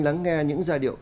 lắng nghe những giai điệu